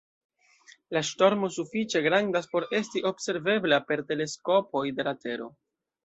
La ŝtormo sufiĉe grandas por esti observebla per teleskopoj de la Tero.